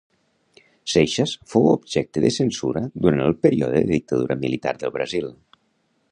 Seixas fou objecte de censura durant el període de dictadura militar del Brasil.